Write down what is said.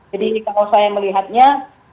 jadi kalau saya melihatnya